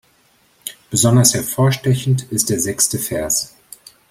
Besonders hervorstechend ist der sechste Vers.